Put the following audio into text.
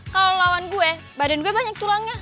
kalau lawan gue badan gue banyak tulangnya